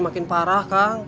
makin parah kang